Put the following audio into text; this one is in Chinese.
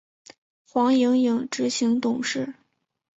黄影影执行董事。